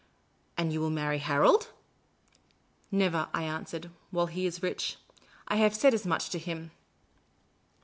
" And you will marry Harold ?"" Never," I answered ;" while he is rich. I have said as much to him."